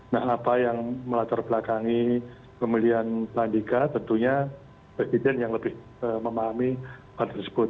nah apa yang melatar belakangi pemilihan pak andika tentunya presiden yang lebih memahami hal tersebut